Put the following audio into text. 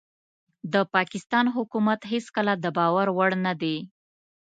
د پاکستان حکومت هيڅکله دباور وړ نه دي